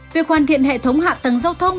việc hoàn thiện hệ thống hạ tầng giao thông